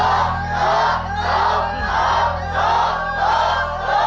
ถูก